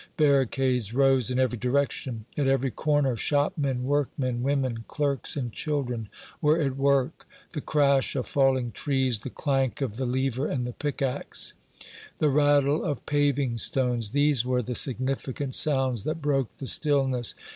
Barricades rose in every direction. At every corner shopmen, workmen, women, clerks and children were at work. The crash of falling trees, the clank of the lever and the pickaxe, the rattle of paving stones these were the significant sounds that broke the stillness.